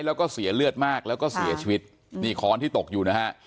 แล้วก็เสียเลือดมากแล้วก็เสียชีวิตนี่ค้อนที่ตกอยู่นะฮะ